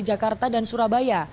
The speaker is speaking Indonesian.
jakarta dan surabaya